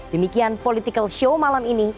demikian political show malam ini